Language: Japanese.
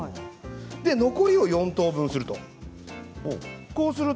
残り４等分する。